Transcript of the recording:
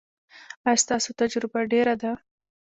ایا ستاسو تجربه ډیره ده؟